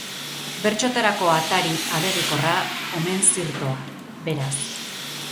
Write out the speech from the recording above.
Bertsotarako atari abegikorra omen zirtoa, beraz.